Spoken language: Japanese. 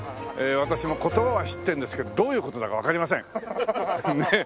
私も言葉は知ってるんですけどどういう事だかわかりません。